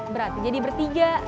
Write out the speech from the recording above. berarti jadi bertiga